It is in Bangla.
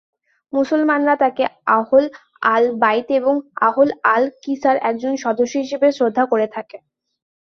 মুসলমানরা তাঁকে আহল আল-বাইত এবং আহল আল-কিসার একজন সদস্য হিসাবে শ্রদ্ধা করে থাকে।